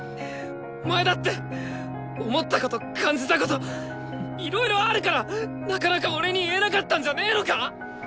お前だって思ったこと感じたこといろいろあるからなかなか俺に言えなかったんじゃねのか！？